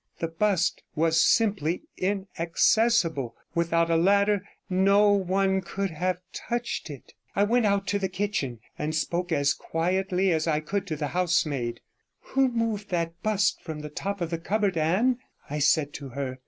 The bust was simply inaccessible; without a ladder no one could have touched it. 67 I went out to the kitchen and spoke as quietly as I could to the housemaid. 'Who moved that bust from the top of the cupboard, Anne?' I said to her.